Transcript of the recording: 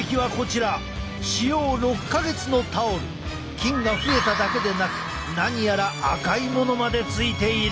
菌が増えただけでなく何やら赤いものまでついている。